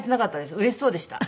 うれしそうでした。